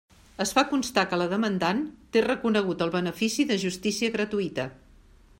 Es fa constar que la demandant té reconegut el benefici de justícia gratuïta.